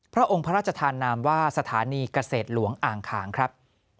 พระองค์พระราชธานามว่าสถานีเกษตรหลวงอ่างขางครับ